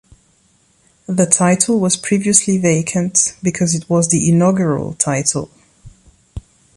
The title was previously vacant because it was the inaugural title.